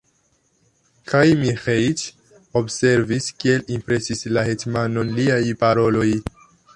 Kaj Miĥeiĉ observis, kiel impresis la hetmanon liaj paroloj.